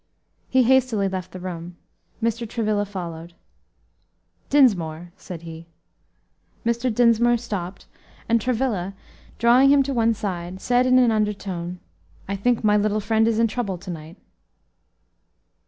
He hastily left the room. Mr. Travilla followed. "Dinsmore," said he. Mr. Dinsmore stopped, and Travilla, drawing him to one side, said in an undertone, "I think my little friend is in trouble to night."